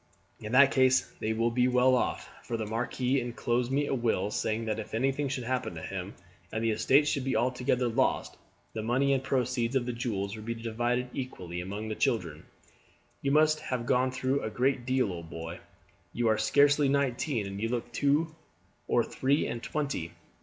"In that case they will be well off, for the marquis inclosed me a will, saying that if anything should happen to him, and the estates should be altogether lost, the money and proceeds of the jewels were to be divided equally among his children. You must have gone through a great deal, old boy. You are scarcely nineteen, and you look two or three and twenty."